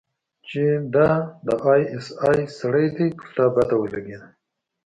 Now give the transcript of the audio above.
چې دا د آى اس آى سړى دى پر تا بده ولګېده.